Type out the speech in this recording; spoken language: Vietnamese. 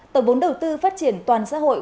tổng vốn đầu tư phát triển toàn xã hội